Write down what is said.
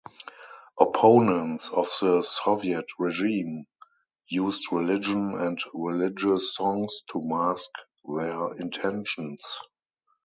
Opponents of the Soviet regime used religion and religious songs to mask their intentions.